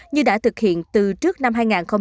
như đã thực hiện từ trước năm hai nghìn hai mươi